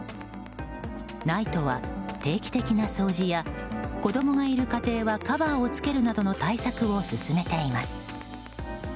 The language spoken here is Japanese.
ＮＩＴＥは定期的な掃除や子供がいる家庭はカバーを付けるなどの対策を勧めています。